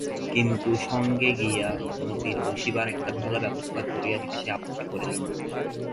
কিন্তু সঙ্গে গিয়া মতির বসিবার একটা ভালো ব্যবস্থা করিয়া দিতে সে আপত্তি করিল না।